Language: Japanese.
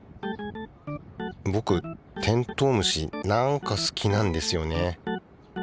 ぼくテントウムシなんか好きなんですよね。